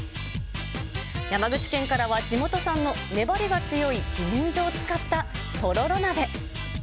山口県からは、地元産の粘りが強いじねんじょを使ったとろろ鍋。